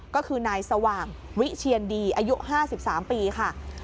ก็คือนายสว่างวิเชียนดีอายุ๕๓ปีค่ะ